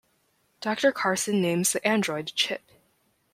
Doctor Carson names the android Chip.